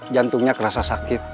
jantungnya kerasa sakit